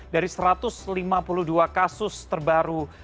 dari satu ratus lima puluh dua kasus terbaru